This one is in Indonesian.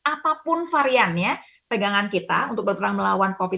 apapun variannya pegangan kita untuk berperang melawan covid sembilan belas